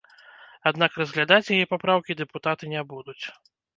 Аднак разглядаць яе папраўкі дэпутаты не будуць.